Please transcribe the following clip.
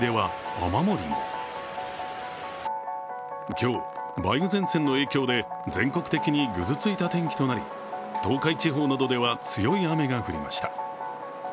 今日、梅雨前線の影響で全国的にぐずついた天気となり東海地方などでは強い雨が降りました。